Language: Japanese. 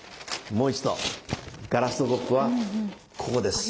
もう一度ガラスのコップはここです。